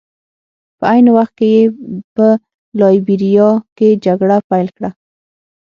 په عین وخت کې یې په لایبیریا کې جګړه پیل کړه.